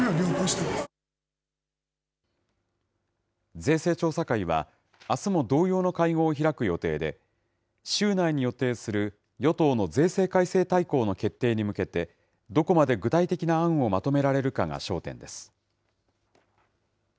税制調査会は、あすも同様の会合を開く予定で、週内に予定する与党の税制改正大綱の決定に向けて、どこまで具体的な案をまとめられるかが焦点です。